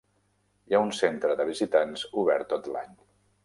Hi ha un centre de visitants obert tot l'any.